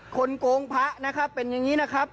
โกงพระนะครับเป็นอย่างนี้นะครับ